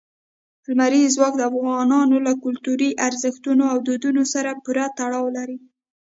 لمریز ځواک د افغانانو له کلتوري ارزښتونو او دودونو سره پوره تړاو لري.